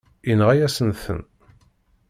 Yenɣa-yasen-ten.